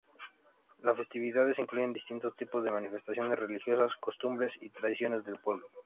Las festividades incluyen distintos tipos de manifestaciones religiosas, costumbres y tradiciones del pueblo.